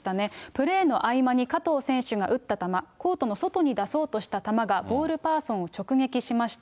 プレーの合間に加藤選手が打った球、コートの外に出そうとした球が、ボールパーソンを直撃しました。